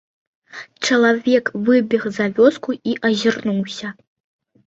Чалавек выбег за вёску і азірнуўся.